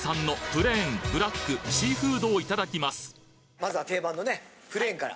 まずは定番のねプレーンから。